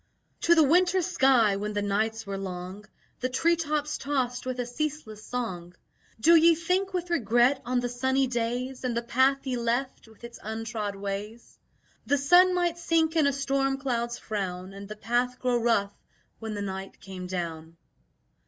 To the winter sky when the nights were long The tree tops tossed with a ceaseless song: "Do ye think with regret on the sunny days And the path ye left, with its untrod ways? The sun might sink in a storm cloud's frown And the path grow rough when the night came down."